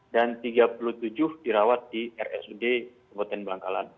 dan tiga puluh tujuh dirawat di rsud kabupaten bangkalan